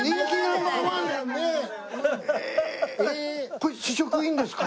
これ試食いいんですか？